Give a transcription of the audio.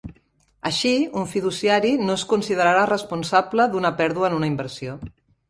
Així, un fiduciari no es considerarà responsable d'una pèrdua en una inversió.